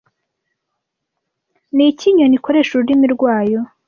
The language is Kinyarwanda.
Niki inyoni ikoresha ururimi rwayo